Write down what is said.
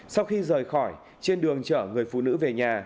sau khi rời khỏi trên đường chở người phụ nữ về nhà